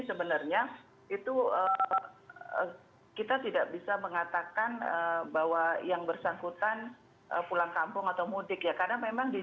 sebenarnya itu kita tidak bisa mengatakan bahwa yang bersangkutan pulang kampung atau mudik ya